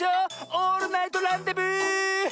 オールナイトランデブー！